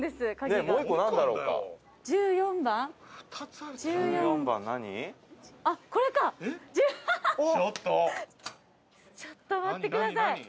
玉井：「ちょっと待ってください」